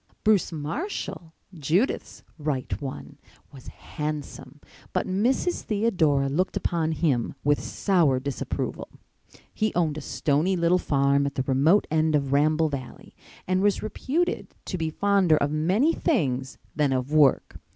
Bruce Marshall, Judith's "right one" was handsome, but Mrs. Theodora looked upon him with sour disapproval. He owned a stony little farm at the remote end of Ramble Valley and was reputed to be fonder of many things than of work.